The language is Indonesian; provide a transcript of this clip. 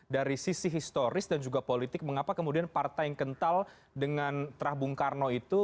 dari sisi historis dan juga politik mengapa kemudian partai yang kental dengan terah bung karno itu